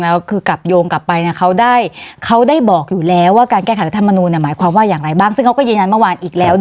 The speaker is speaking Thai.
อ่ะเข้าเพิ่มบอกตอนนี้